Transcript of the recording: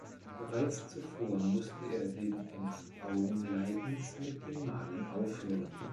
Bereits zuvor musste er wegen eines Augenleidens mit dem Malen aufhören.